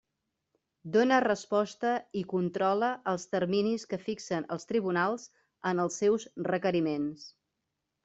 Dóna resposta i controla els terminis que fixen els tribunals en els seus requeriments.